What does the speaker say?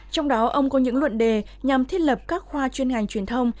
trong đó ông có những luận đề nhằm thiết lập các khoa chuyên ngành truyền thông